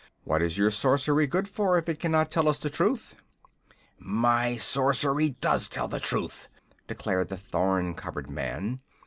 What is your sorcery good for if it cannot tell us the truth?" "My sorcery does tell the truth!" declared the thorn covered man.